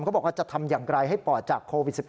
เขาบอกว่าจะทำอย่างไรให้ปอดจากโควิด๑๙